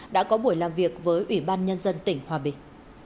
đã có buổi làm việc với ủy ban nhân dân tỉnh hòa bình